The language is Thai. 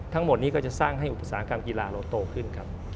ทั้งหมดนี้ก็จะสร้างให้อุตสาหกรรมกีฬาเราโตขึ้นครับ